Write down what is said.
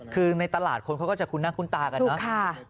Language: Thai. คือในตลาดคนเขาก็จะคุ้นหน้าคุ้นตากันเนอะ